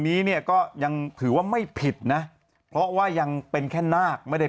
นี้เนี่ยก็ยังถือว่าไม่ผิดนะเพราะว่ายังเป็นแค่นาคไม่ได้